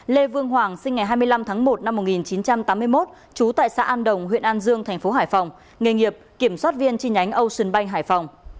lê vương hoàng sinh ngày hai mươi năm tháng một năm một nghìn chín trăm tám mươi một trú tại xã an đồng huyện an dương tp hcm nghề nghiệp kiểm soát viên chi nhánh ocean bank hải phòng